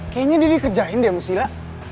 kayaknya dia dikerjain dia musila